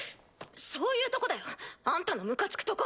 そういうとこだよあんたのムカつくとこ！